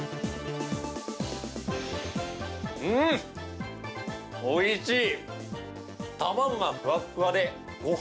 うん、おいしい！